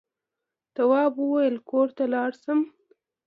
تواب وويل: کور ته لاړ شم.